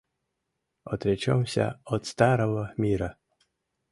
Отречёмся от старого мира...